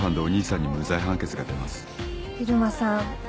入間さん